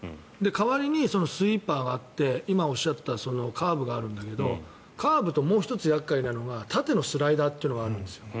代わりにスイーパーがあって今おっしゃったカーブがあるんだけどカーブともう１つ厄介なのが縦のスライダーというのがあるんですよ。